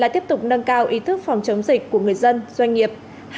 tiếp tục nâng cao ý thức phòng chống dịch của người dân doanh nghiệp